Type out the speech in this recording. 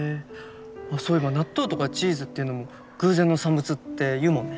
あっそういえば納豆とかチーズっていうのも偶然の産物っていうもんね。